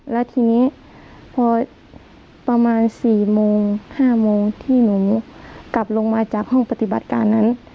แล้วทีนี้พอประมาณ๔โมง๕โมงที่หนูกลับลงมาจากห้องปฏิบัติการนั้น